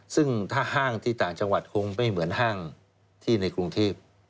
ซึ่งถ้าห้างที่ต่างจังหวัดคงไม่เหมือนห้างที่ในกรุงเทพ